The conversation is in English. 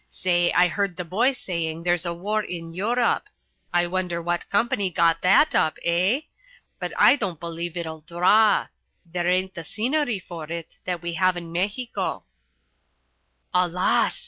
Say, I heard the boy saying there's a war in Europe. I wonder what company got that up, eh? But I don't believe it'll draw. There ain't the scenery for it that we have in Mexico." "Alas!"